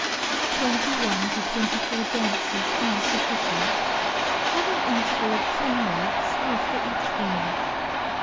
Twenty one to twenty four dances are sufficient. Have an interval of ten minutes after each one.